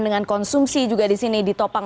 dengan konsumsi juga di sini ditopang